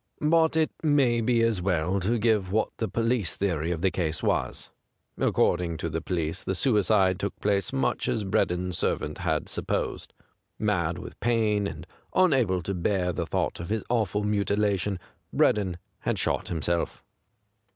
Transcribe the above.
But it may be as well to give what the police theory of the case was. According to the police the suicide took place much as Breddon's servant had supposed. Mad with pain and unable to bear the thought of his awful mutilation, Breddon had shot himself.